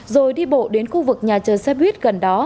rồi đi bộ đến khu vực nhà chờ xe buýt gần đó